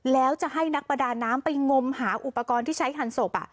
แล้วจะให้นักประดาน้ำไปงมหาอุปกรณ์ที่ใช้หันศพ